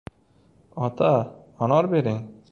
— Ota, anor bering!